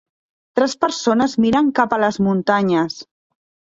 Tres persones miren cap a les muntanyes.